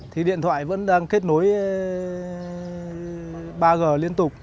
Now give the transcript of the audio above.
thì điện thoại vẫn đang kết nối ba g liên tục